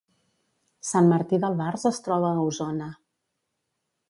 Sant Martí d’Albars es troba a Osona